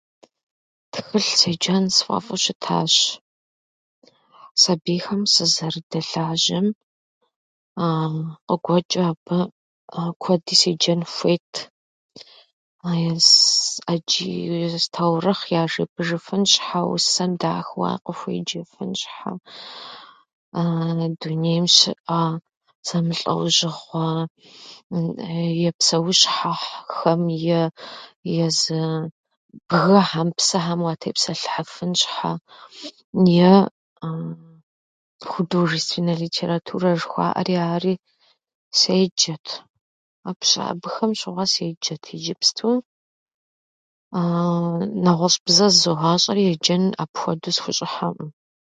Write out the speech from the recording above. Тхылъ седжэн сфӏэфӏу щытащ. Сабийхэм сызэрыдэлажьэм къыгуэчӏу абы куэди седжэн хуейт, ӏэджи таурыхъ яжепӏэжыфын щхьа, усэм дахэу уакъыхуеджэфын щхьа, дунейм щыӏэ зэмылӏэужьыгъуэ псэущхьэхэм е езы бгыхьэм, псыхьэм уатепсэлъыхьыфын щхьа, е художественнэ литературэ жыхуаӏэри ари седжэт. Апщ- Абыхэм щыгъуэ седжэт. Иджыпсту нэгъуэщӏ бзэ зызогъащӏэри, еджэным апхуэду сыхущӏыхьэӏым.